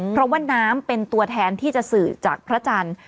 เพราะว่าน้ำเป็นตัวแทนที่จะสื่อจากพระจันทร์